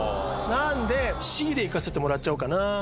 なんでＣで行かせてもらっちゃおうかな。